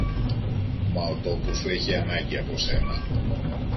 Μα ο τόπος σου έχει ανάγκη από σένα.